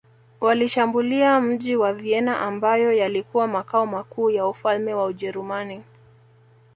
Walishambulia mji wa Vienna ambayo yalikuwa makao makuu ya ufalme wa Ujerumani